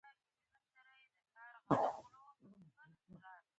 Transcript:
دا به غلطیو ته وده ورکول وي.